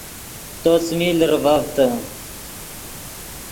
تو څیمی لرڤڤتے